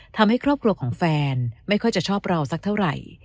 ทำให้ครอบครัวของแฟนไม่ค่อยจะชอบเราสักเท่าไหร่